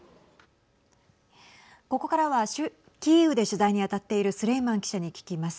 ここからはキーウで取材に当たっているスレイマン記者に聞きます。